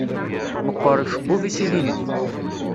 Meqqeṛ ucebbub-is ilindi.